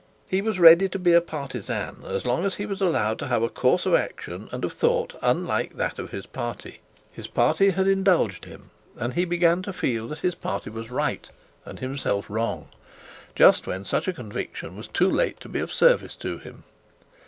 He was ready to be a partisan as long as he was allowed to have a course of action and of thought unlike that of his party. His party had indulged him, and he began to feel that his party was right and himself wrong, but when such a conviction was too late to be of service to him.